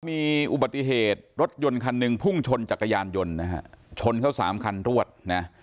มีอุบัติเหตุรถยนต์คันหนึ่งพุ่งชนจักรยานยนต์นะฮะชนเขาสามคันรวดนะ